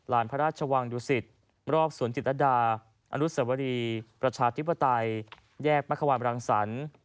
พระราชวังดุสิตรอบสวนจิตรดาอนุสวรีประชาธิปไตยแยกมะควานบรังสรรค์